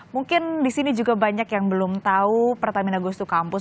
mungkin disini juga banyak yang belum tahu pertamina goes to campus